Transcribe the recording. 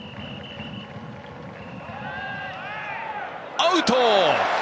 アウト！